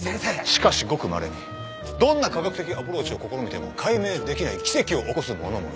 しかしごくまれにどんな科学的アプローチを試みても解明できない奇跡を起こす者もいる。